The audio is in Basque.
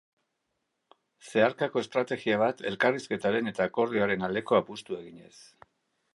Zeharkako estrategia bat elkarrizketaren eta akordioaren aldeko apustua eginez.